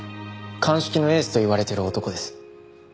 鑑識のエースと言われている男です。